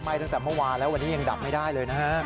ตั้งแต่เมื่อวานแล้ววันนี้ยังดับไม่ได้เลยนะฮะ